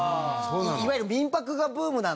いわゆる民泊がブームなんで。